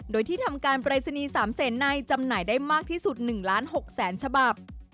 โดยที่ทำการปรายศนีย์๓แสนในจำหน่ายได้มากที่สุด๑ล้าน๖แสนฉบับ